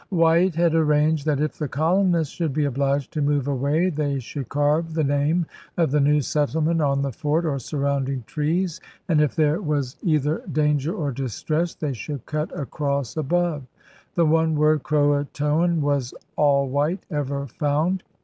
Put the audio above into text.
White had arranged that if the colonists should be obliged to move away they should carve the name of the new settlement on the fort or surrounding trees, and that if there was either danger or distress they should cut a cross above. The one word croatoan was all White ever found.